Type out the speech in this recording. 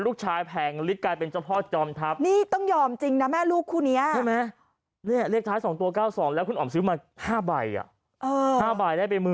ลูกชายแพงฤทธิกลายเป็นเจ้าพ่อจอมทัพ